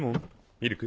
ミルク？